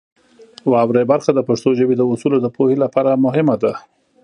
واورئ برخه د پښتو ژبې د اصولو د پوهې لپاره مهمه ده.